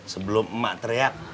sebelum emak teriak